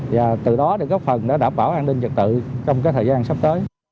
và từ đó được góp phần để đảm bảo an ninh trật tự trong thời gian sắp tới